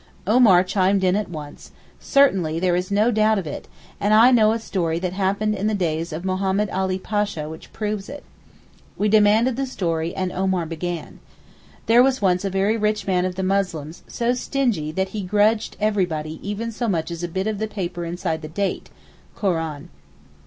Omar chimed in at once, 'Certainly there is no doubt of it, and I know a story that happened in the days of Mahommed Ali Pasha which proves it.' We demanded the story and Omar began. 'There was once a very rich man of the Muslims so stingy that he grudged everybody even so much as a "bit of the paper inside the date" (Koran).